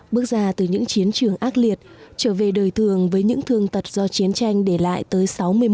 bước ra từ những chiến trường ác liệt trở về đời thường với những thương tật do chiến tranh để lại tới sáu mươi một